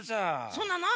そうなの？